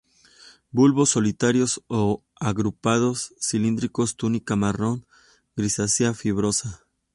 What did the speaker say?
Bulbos solitarios o agrupados, cilíndricos, túnica marrón grisácea, fibroso.